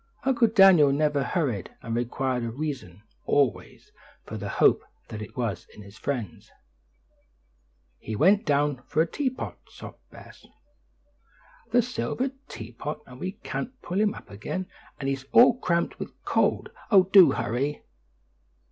Uncle Daniel never hurried, and required a reason, always, for the hope that was in his friends. "He went down for the teapot," sobbed Bess, "the silver teapot, and we can't pull him up again; and he's all cramped with cold. Oh, do hurry!"